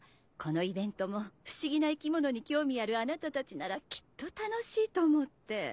このイベントも不思議な生き物に興味あるあなたたちならきっと楽しいと思って。